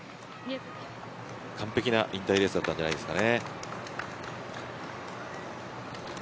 完璧なインタビューだったんじゃないですかね。